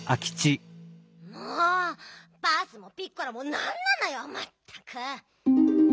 もうバースもピッコラもなんなのよまったく！